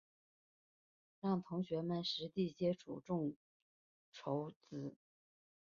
让同学实地接触群众募资